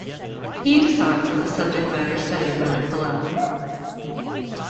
He decides on the subject matter studied by the kollel.